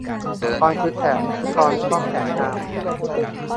กรคือแขน สุกรก็แขนงาม